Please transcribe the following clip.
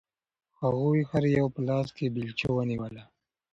هغوی هر یو په لاس کې بیلچه ونیوله.